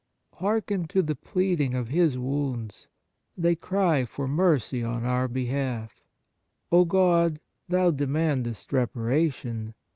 Hearken to the pleading of His wounds ; they cry for mercy on our behalf. O God, Thou demandest reparation.